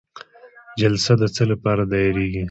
جلسه د څه لپاره دایریږي؟